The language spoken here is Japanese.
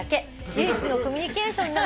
「唯一のコミュニケーションなのです」